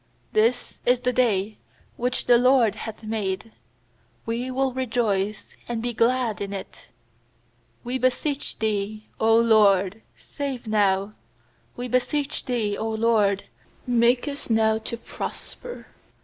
24This is the day which the LORD hath made; We will rejoice and be glad in it. 25We beseech Thee, 0 LORD, save now! We beseech Thee, 0 LORD, make us now to prosper!